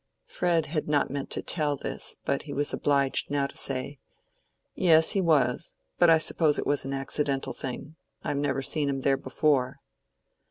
Fred had not meant to tell this, but he was obliged now to say, "Yes, he was. But I suppose it was an accidental thing. I have never seen him there before."